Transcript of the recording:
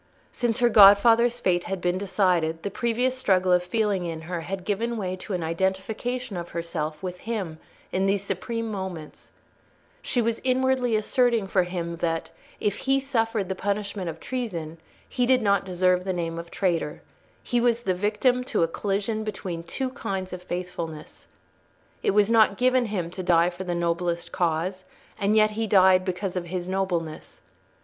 Since her godfather's fate had been decided, the previous struggle of feeling in her had given way to an identification of herself with him in these supreme moments: she was inwardly asserting for him that, if he suffered the punishment of treason, he did not deserve the name of traitor; he was the victim to a collision between two kinds of faithfulness. It was not given him to die for the noblest cause, and yet he died because of his nobleness.